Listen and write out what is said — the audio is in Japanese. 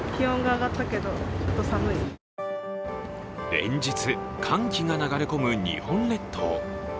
連日、寒気が流れ込む日本列島。